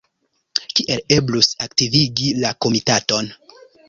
Kiel eblus aktivigi la komitaton?